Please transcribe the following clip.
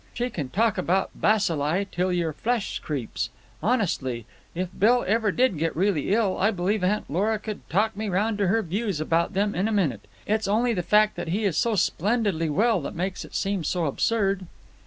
She can talk about bacilli till your flesh creeps. Honestly, if Bill ever did get really ill, I believe Aunt Lora could talk me round to her views about them in a minute. It's only the fact that he is so splendidly well that makes it seem so absurd."